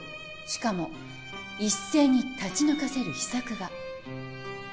しかも一斉に立ち退かせる秘策が。